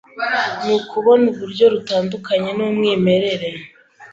nukubona uburyo rutandukanye numwimerere